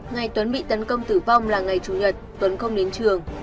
ngày tuấn bị tấn công tử vong là ngày chủ nhật tuấn không đến trường